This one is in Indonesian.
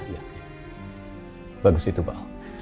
ya bagus itu pak